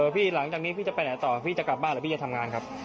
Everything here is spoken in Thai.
หลังจากนี้พี่จะไปไหนต่อพี่จะกลับบ้านหรือพี่จะทำงานครับ